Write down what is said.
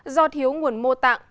do thiếu nguồn mô tạng